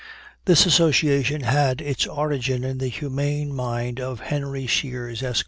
This association had its origin in the humane mind of Henry Shears, Esq.